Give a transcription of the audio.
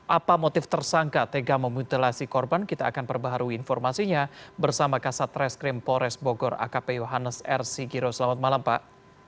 apa motif tersangka tega memutilasi korban kita akan perbaharui informasinya bersama kasat reskrim pores bogor akp yohannes r sigiro selamat malam pak